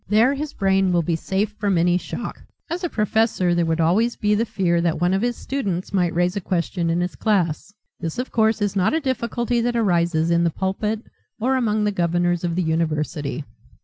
There his brain will be safe from any shock. As a professor there would always be the fear that one of his students might raise a question in his class. This of course is not a difficulty that arises in the pulpit or among the governors of the university."